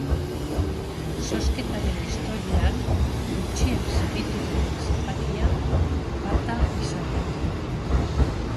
Zozketaren historian gutxien saritu duten zenbakia bata izan da.